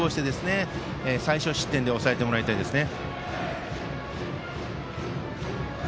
最少失点で抑えてもらいたいですね。